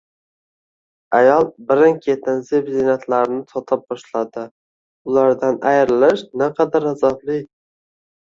Ayol birin-ketin zeb-ziynatlarini sota boshladi, ulardan ayrilish naqadar azobli